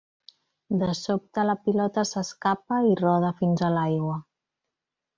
De sobte la pilota s'escapa i roda fins a l'aigua.